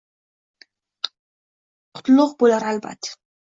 Kutlug’ bo’lar albat